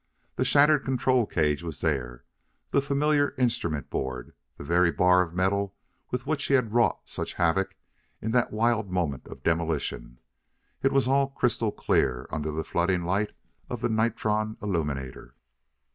The shattered control cage was there, the familiar instrument board, the very bar of metal with which he had wrought such havoc in that wild moment of demolition; it was all crystal clear under the flooding light of the nitron illuminator!